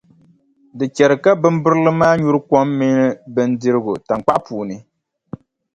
Di chɛri ka bimbirili maa nyuri kom mini bindirigu taŋkpaɣu puuni.